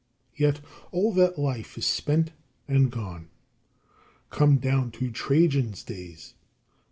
Yet all that life is spent and gone. Come down to Trajan's days.